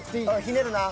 ひねるな。